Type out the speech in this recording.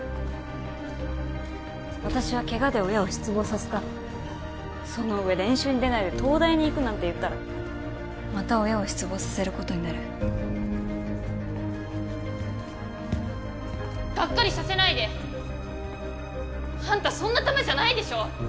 私はケガで親を失望させたその上練習に出ないで東大に行くなんて言ったらまた親を失望させることになるがっかりさせないであんたそんなたまじゃないでしょ